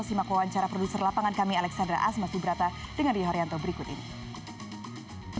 simak wawancara produser lapangan kami alexandra asma subrata dengan rio haryanto berikut ini